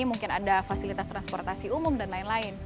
mungkin ada fasilitas transportasi umum dan lain lain